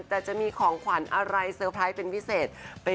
แต่จะมีของขวัญอะไรเซอร์ไพรส์เป็นพิเศษ